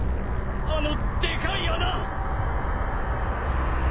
あのでかい穴！